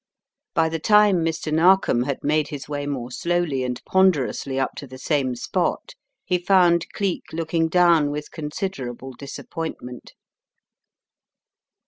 By the time Mr. Narkom had made his way more slowly and ponderously up to the same spot, he found Cleek looking down with considerable disappoint ment.